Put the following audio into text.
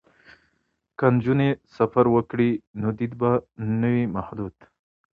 که نجونې سفر وکړي نو دید به نه وي محدود.